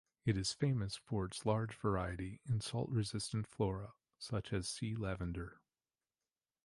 It is famous for its large variety in salt-resistant flora, such as Sea lavender.